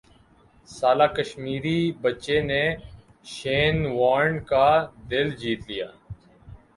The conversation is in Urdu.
سالہ کشمیری بچے نے شین وارن کا دل جیت لیا